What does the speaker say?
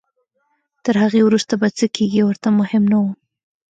تر هغې وروسته به څه کېږي ورته مهم نه وو.